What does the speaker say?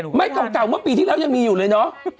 ไงมันเก่าเก่ามันปีที่แล้วยังมีอยู่เลยเน้ะ